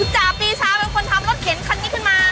จ่าปีชาเป็นคนทำรถเข็นคันนี้ขึ้นมา